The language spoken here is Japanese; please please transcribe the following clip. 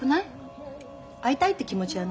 会いたいって気持ちはないわね。